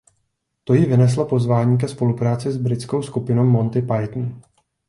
To jí vyneslo pozvání ke spolupráci s britskou skupinou Monty Python.